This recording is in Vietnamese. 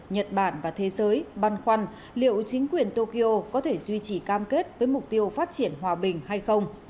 nhật bản và thế giới băn khoăn liệu chính quyền tokyo có thể duy trì cam kết với mục tiêu phát triển hòa bình hay không